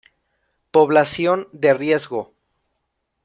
Población de riesgo